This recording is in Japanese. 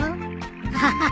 アハハハ。